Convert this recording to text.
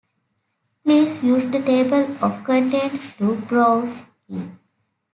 Please use the Table of Contents to browse it.